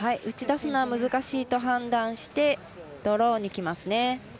打ち出すのは難しいと判断してドローにきますね。